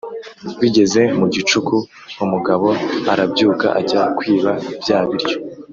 Bigeze mu gicuku umugabo arabyuka ajya kwiba bya biryo.